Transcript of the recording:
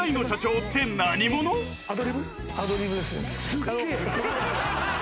すっげえ